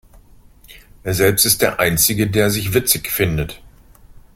Er selbst ist der Einzige, der sich witzig findet.